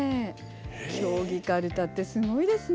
競技かるたってすごいですね。